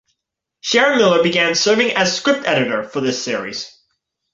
Sharon Miller began serving as script editor for this series.